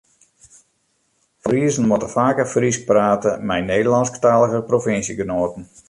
Friezen moatte faker Frysk prate mei Nederlânsktalige provinsjegenoaten.